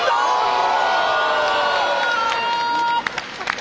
お！